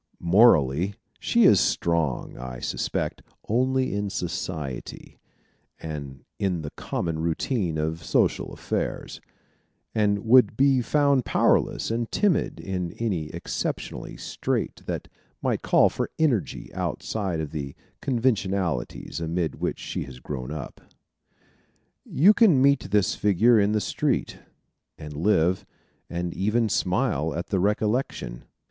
Morally, she is strong, I suspect, only in society, and in the common routine of social affairs, and would be found powerless and timid in any exceptional strait that might call for energy outside of the conventionalities amid which she has grown up. You can meet this figure in the street, and live, and even smile at the recollection.